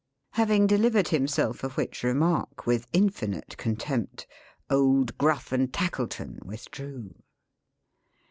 Having delivered himself of which remark, with infinite contempt, old Gruff and Tackleton withdrew.